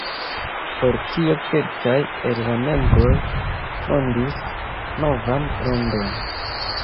Por tio kelkaj el la membroj fondis novan rondon.